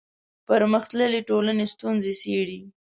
پرمختللې ټولنې ستونزې څېړي